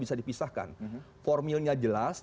bisa dipisahkan formilnya jelas